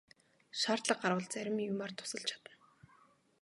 Шаардлага гарвал зарим юмаар тусалж чадна.